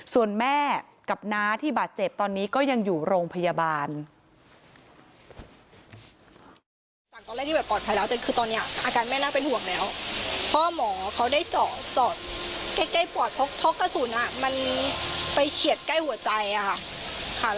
ส่วนแม่กับน้าที่บาดเจ็บตอนนี้ก็ยังอยู่โรงพยาบาล